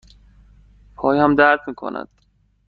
پایم درد می کند.